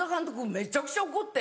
めちゃくちゃ怒って。